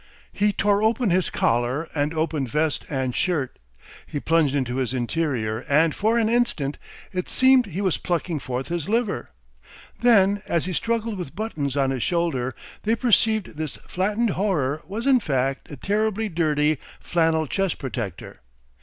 He tore open his collar and opened vest and shirt. He plunged into his interior and for an instant it seemed he was plucking forth his liver. Then as he struggled with buttons on his shoulder they perceived this flattened horror was in fact a terribly dirty flannel chest protector.